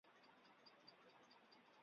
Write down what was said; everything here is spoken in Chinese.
县治贝尔蒙特村。